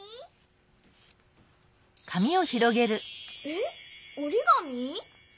えっおりがみ？